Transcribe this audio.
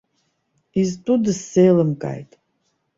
Изтәу дысзеилымкааит.